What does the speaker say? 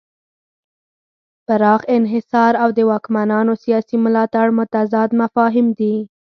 پراخ انحصار او د واکمنانو سیاسي ملاتړ متضاد مفاهیم دي.